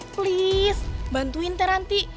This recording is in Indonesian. please bantuin teranti